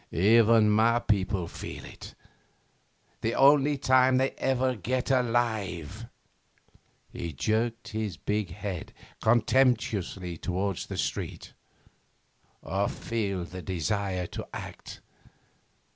Even my people feel it the only time they ever get alive,' he jerked his big head contemptuously towards the street 'or feel desire to act.